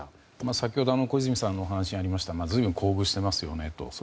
先ほど小泉さんの話にもありましたが随分、厚遇していますよと。